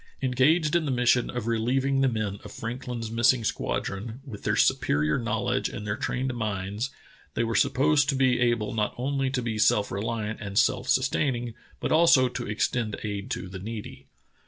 Engaged in the mission of reheving the men of FrankHn's missing squadron, with their superior knowledge and their trained minds, they were supposed to be able not only to be self reliant and self sustain ing, but also to extend aid to the needy.